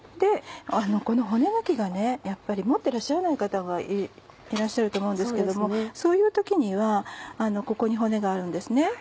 この骨抜きをやっぱり持ってらっしゃらない方がいらっしゃると思うんですけれどもそういう時にはここに骨があるんですね。